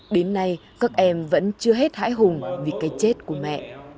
đến nay các em vẫn chưa hết hãi hùng vì cái chết của mẹ